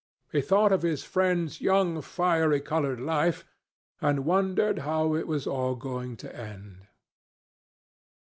He thought of his friend's young fiery coloured life and wondered how it was all going to end.